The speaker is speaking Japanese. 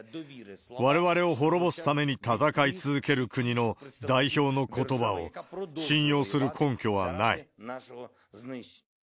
われわれを滅ぼすために戦い続ける国の代表のことばを、信用する根拠はない。